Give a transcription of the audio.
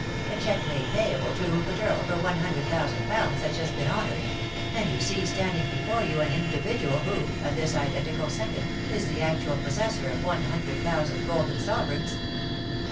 A cheque made payable to Rupert Earlc for one hundred thousand pounds has just been honoured ; and you see standing before you an individual who, at this identical second, is the actual possessor of one hundred thousand golden sovereigns."